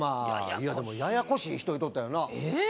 いやでもややこしい人言うとったよなえっ？